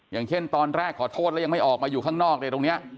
อย่างเช่นตอนแรกขอโทษแล้วยังไม่ออกมาอยู่ข้างนอกเนี่ยตรงนี้